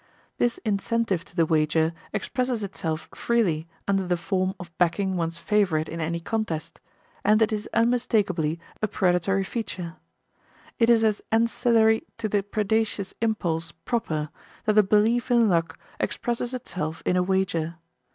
This incentive to the wager expresses itself freely under the form of backing one's favorite in any contest, and it is unmistakably a predatory feature. It is as ancillary to the predaceous impulse proper that the belief in luck expresses itself in a wager.